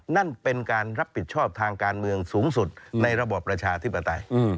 นั่นเป็นการรับผิดชอบทางการเมืองสูงสุดในระบอบประชาธิปไตย